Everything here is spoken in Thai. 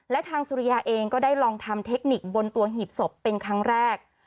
และทางสุริยาเองก็ได้ลองทำเทคนิคบนตัวหีบศพเป็นครั้งแรก